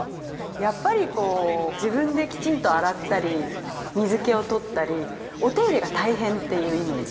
◆やっぱりこう自分できちんと洗ったり水気を取ったりお手入れが大変というイメージ。